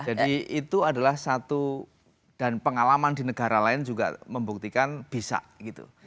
jadi itu adalah satu dan pengalaman di negara lain juga membuktikan bisa gitu